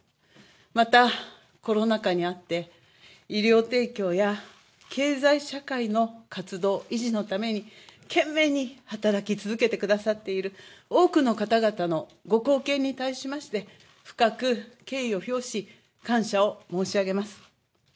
また、コロナ禍にあって医療提供や経済社会の活動維持のために懸命に働き続けてくださっている多くの方々のご貢献に対しまして深く敬意を表し感謝を申し上げます。